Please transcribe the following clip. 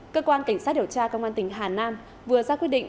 cơ quan cảnh sát điều tra công an tỉnh hà nam vừa ra quyết định